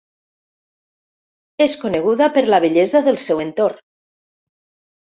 És coneguda per la bellesa del seu entorn.